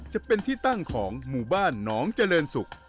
จะเป็นที่ตั้งของหมู่บ้านน้องเจริญศุกร์